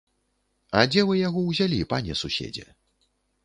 А дзе вы яго ўзялі, пане суседзе?